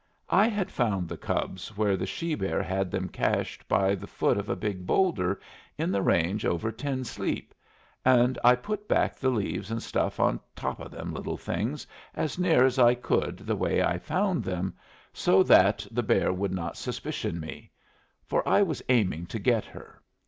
I had found the cubs where the she bear had them cached by the foot of a big boulder in the range over Ten Sleep, and I put back the leaves and stuff on top o' them little things as near as I could the way I found them, so that the bear would not suspicion me. For I was aiming to get her.